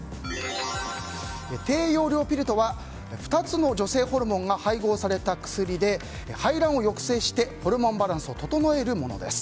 低用量ピルとは２つの女性ホルモンが配合された薬で排卵を抑制してホルモンバランスを整えるものです。